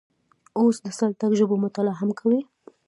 اوس د سلټیک ژبو مطالعه هم کوي.